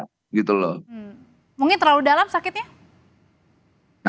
mungkin terlalu dalam sakitnya